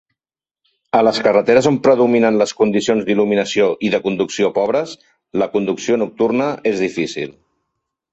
A les carreteres on predominen les condicions d'il·luminació i de conducció pobres, la conducció nocturna és difícil.